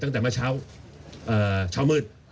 ตั้งแต่เมื่อเช้าเอ่อเช้ามืด